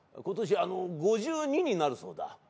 今年５２になるそうだ。